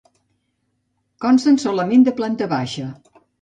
Consten solament de planta baixa.